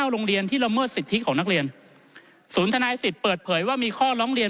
โรงเรียนที่ละเมิดสิทธิของนักเรียนศูนย์ทนายสิทธิ์เปิดเผยว่ามีข้อร้องเรียน